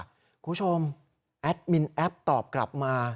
คุณผู้ชมแอดมินแอปตอบกลับมา